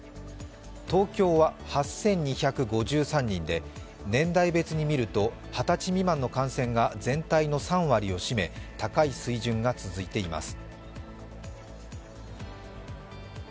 東京は８２５３人で年代別にみると二十歳未満の感染が全体の３割を占め高い水準が続いています。